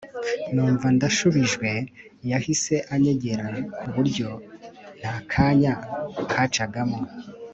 numva ndashubijwe yahise anyegera kuburyo ntakanya kacagamo